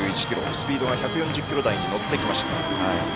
スピードが１４０キロ台に乗ってきました。